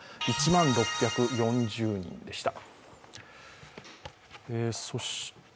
１万６４０人でした。